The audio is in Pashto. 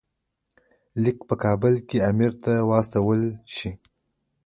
لیک په کابل امیر ته واستول شي.